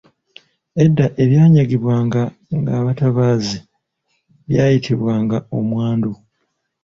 Edda ebyanyagibwanga nga abatabaazi byayitibwanga omwandu.